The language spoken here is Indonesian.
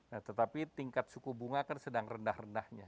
nah tetapi tingkat suku bunga kan sedang rendah rendahnya